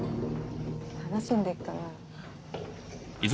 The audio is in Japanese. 楽しんでっかな？